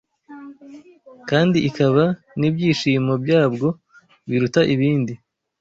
kandi ikaba n’ibyishimo byabwo biruta ibindi,